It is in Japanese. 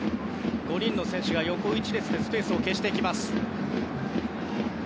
５人の選手が横１列でスペースを消してきます。